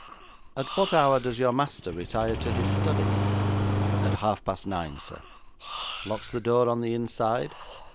'At what hour does your master retire to his study?' 'At half past nine, sir.' 'Locks the door on the inside?'